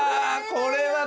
これは。